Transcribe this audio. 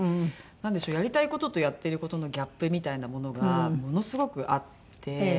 なんでしょうやりたい事とやっている事のギャップみたいなものがものすごくあって。